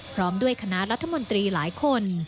พร้อมด้วยคณะรัฐมนตรีหลายคน